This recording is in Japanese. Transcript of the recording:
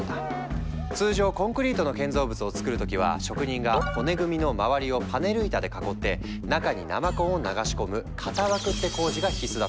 通常コンクリートの建造物をつくる時は職人が骨組みの周りをパネル板で囲って中に生コンを流し込む「型枠」って工事が必須だったの。